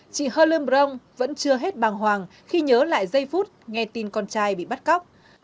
chị hơ lươm brong vẫn chưa hết bàng hoàng khi nhớ lại giây phút nghe tin con trai bị bắt cóc